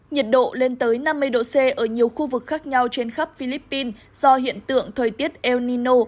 nhiệt độ lên tới năm mươi độ c ở nhiều khu vực khác nhau trên khắp philippines do hiện tượng thời tiết el nino